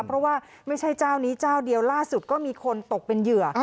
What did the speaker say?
เพราะว่าไม่ใช่เจ้านี้เจ้าเดียวล่าสุดก็มีคนตกเป็นเหยื่อ